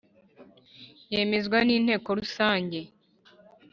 yemezwa n Inteko Rusange